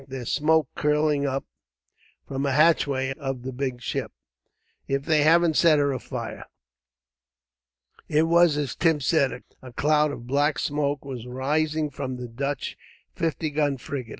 There's smoke curling up from a hatchway of the big ship. If they haven't set her afire!" It was as Tim said. A cloud of black smoke was rising from the Dutch fifty gun frigate.